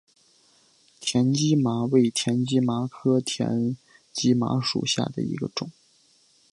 田基麻为田基麻科田基麻属下的一个种。